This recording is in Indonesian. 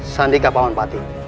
sandi kapawan pati